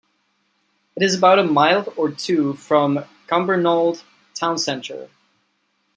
It is about a mile or two from Cumbernauld Town Centre.